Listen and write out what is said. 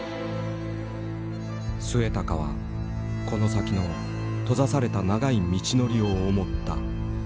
末高はこの先の閉ざされた長い道のりを思った。